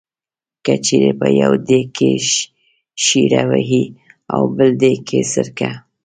که چېرې په یو دېګ کې شېره وي او بل دېګ کې سرکه.